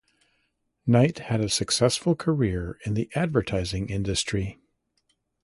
Knight had a successful career in the advertising industry.